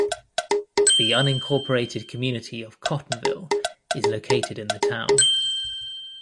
The unincorporated community of Cottonville is located in the town.